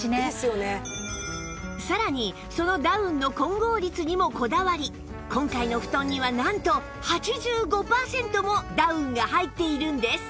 さらにそのダウンの混合率にもこだわり今回の布団にはなんと８５パーセントもダウンが入っているんです